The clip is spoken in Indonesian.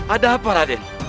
ada apa raden